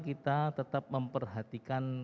kita tetap memperhatikan